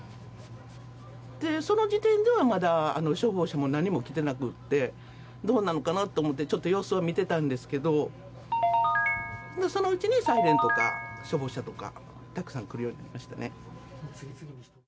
その時点では消防車もまだ何も来ていなくて、どうなのかなと思って様子を見ていたんですけれどもそのうちにサイレンとか消防車とかたくさん来るようになりました。